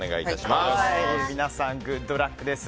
皆さん、グッドラックです。